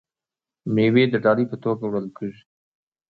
میوې د ډالۍ په توګه وړل کیږي.